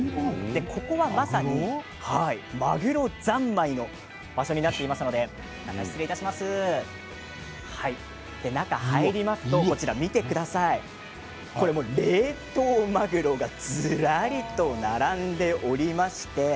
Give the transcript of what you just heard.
ここはまさにまぐろ三昧の場所になっていますので失礼いたします中に入りますと、見てください冷凍まぐろがずらりと並んでおります。